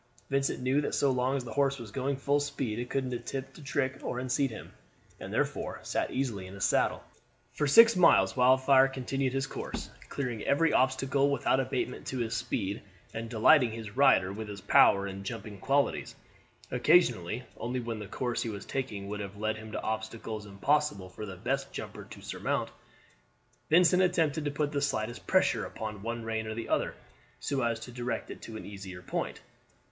Vincent knew that so long as the horse was going full speed it could attempt no trick to unseat him, and he therefore sat easily in his saddle. For six miles Wildfire continued his course, clearing every obstacle without abatement to his speed, and delighting his rider with his power and jumping qualities. Occasionally, only when the course he was taking would have led him to obstacles impossible for the best jumper to surmount, Vincent attempted to put the slightest pressure upon one rein or the other, so as to direct it to an easier point.